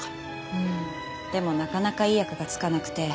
うんでもなかなかいい役がつかなくて。